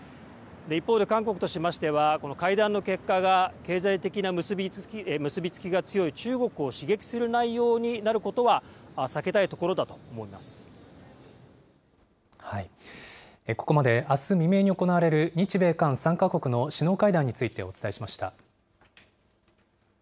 一方で韓国としましては、会談の結果が経済的な結び付きが強い中国を刺激する内容になるこここまで、あす未明に行われる日米韓３か国の首脳会談についてお伝えしました。